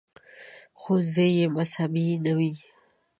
• ښوونې یې مذهبي نه وې.